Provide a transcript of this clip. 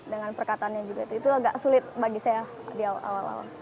dengan perkataannya juga itu agak sulit bagi saya di awal awal